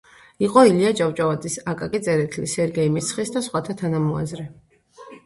იყო ილია ჭავჭავაძის, აკაკი წერეთლის, სერგეი მესხის და სხვათა თანამოაზრე.